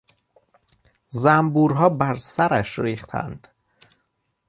زنبورها برسرش ریختند.